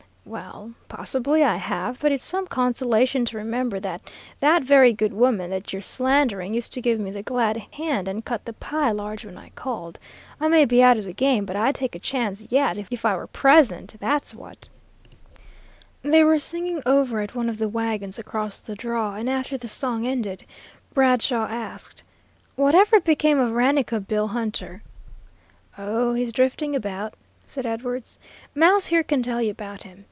"Well, possibly I have, but it's some consolation to remember that that very good woman that you're slandering used to give me the glad hand and cut the pie large when I called. I may be out of the game, but I'd take a chance yet if I were present; that's what!" They were singing over at one of the wagons across the draw, and after the song ended, Bradshaw asked, "What ever became of Raneka Bill Hunter?" "Oh, he's drifting about," said Edwards. "Mouse here can tell you about him.